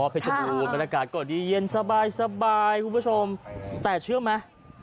บูรณ์บรรยากาศก็ดีเย็นสบายคุณผู้ชมแต่เชื่อไหม